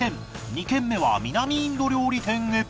２軒目は南インド料理店へ